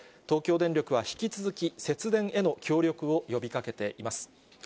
東京電力は引き続き、節電への協力を呼びかけています。